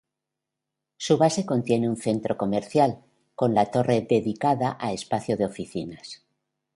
Su base contiene un centro comercial, con la torre dedicada a espacio de oficinas.